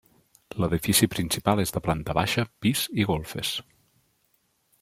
L'edifici principal és de planta baixa, pis i golfes.